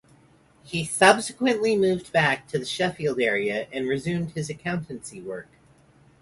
He subsequently moved back to the Sheffield area and resumed his accountancy work.